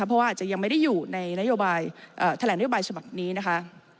เพราะว่าอาจจะยังไม่ได้อยู่ในนโยบายแถลงนโยบายฉบับนี้นะคะ